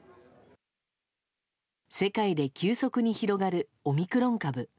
世界で急速に広がるオミクロン株。